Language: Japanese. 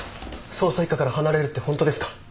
捜査一課から離れるってホントですか？